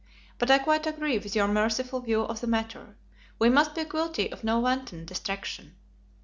But I quite agree with your merciful view of the matter. We must be guilty of no wanton destruction.